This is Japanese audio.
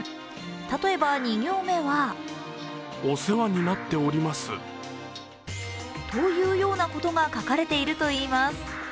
例えば、２行目はというようなことが書かれているといいます。